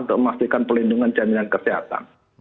untuk memastikan pelindungan jaminan kesehatan